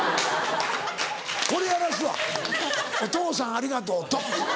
これやらすわ「お父さんありがとう」ドン。